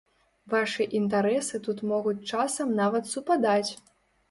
Вашы інтарэсы тут могуць часам нават супадаць.